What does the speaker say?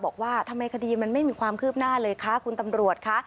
บอกว่าทำไมคดีมันไม่มีความคืบหน้าเลยคะคุณตำรวจคะ